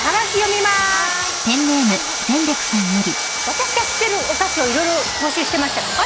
「私が知ってるお菓子」を色々募集してました。